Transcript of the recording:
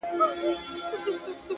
قرآن، انجیل، تلمود، گیتا به په قسم نيسې